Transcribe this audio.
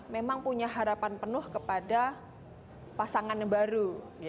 memang punya harapan penuh kepada pasangan baru